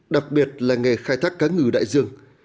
đặc biệt là nghề khai thác cá ngừ đại dương